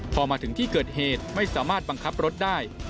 พอมาถึงที่เกิดเหตุไม่สามารถบังคับรถได้